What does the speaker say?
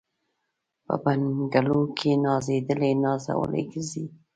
په بنګلو کي نازېدلي نازولي ګرځي